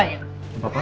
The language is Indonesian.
oh enggak sih